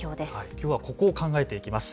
きょうはここを考えていきます。